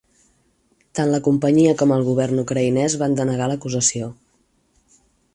Tant la companyia com el govern ucraïnès van denegar l"acusació.